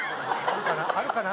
あるかな？